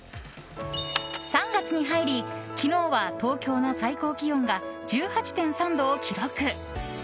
３月に入り昨日は東京の最高気温が１８．３度を記録。